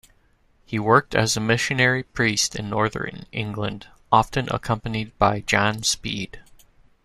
He worked as a missionary priest in Northern England, often accompanied by John Speed.